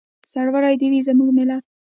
سرلوړی دې وي زموږ ملت.